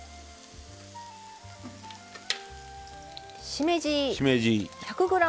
しめじ。